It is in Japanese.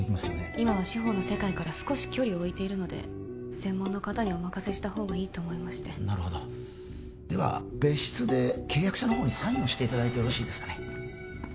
今は司法の世界から少し距離を置いているので専門の方にお任せしたほうがいいと思いましてなるほどでは別室で契約書のほうにサインをしていただいてよろしいですかね